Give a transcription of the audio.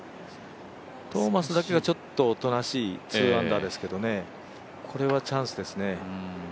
トーマスだけがちょっとおとなしい、２アンダーですけどねこれはチャンスですね。